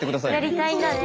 やりたいんだね。